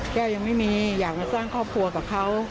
แก้วยังไม่มีอยากมาสร้างครอบครัวกับเขา